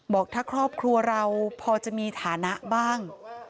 บอกถ้าครอบครัวเราพอจะมีฐานะบ้าง